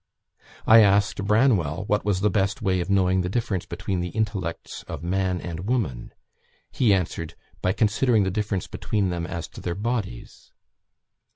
I asked Branwell what was the best way of knowing the difference between the intellects of man and woman; he answered, 'By considering the difference between them as to their bodies.'